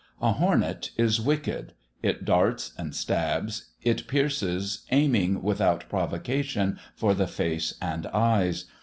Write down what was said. A hornet is wicked; it darts and stabs; it pierces, aiming without provocation for the face and eyes.